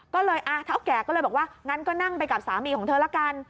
ก็เลยเท่าแก่ก็เลยบอกว่างั้นก็นั่งไปกับสามีของเธอละกัน